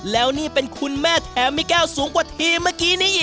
แล้วนี่เป็นคุณแม่แถมมีแก้วสูงกว่าทีมเมื่อกี้นี้อีก